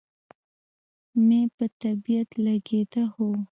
مې په طبیعت لګېده، هو.